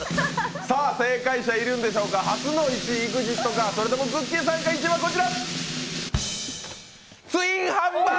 正解者、いるんでしょうか初の１位ＥＸＩＴかそれともくっきー！